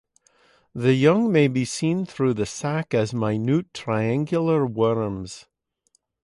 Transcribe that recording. The young may be seen through the sac as minute triangular worms.